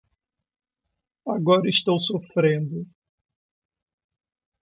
Agora estou sofrendo